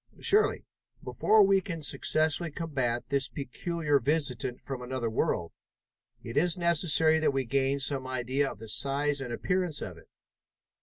"Surely. Before we can successfully combat this peculiar visitant from another world, it is necessary that we gain some idea of the size and appearance of it.